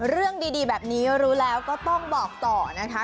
เรื่องดีแบบนี้รู้แล้วก็ต้องบอกต่อนะคะ